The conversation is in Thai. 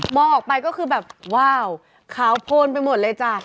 ออกไปก็คือแบบว้าวขาวโพนไปหมดเลยจ้ะ